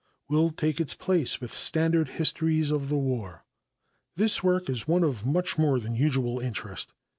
"Will Take Its Place With Standard Histories of the War." This work is one of much more than usual interest.